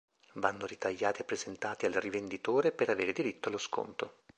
Vanno ritagliati e presentati al rivenditore per avere diritto allo sconto.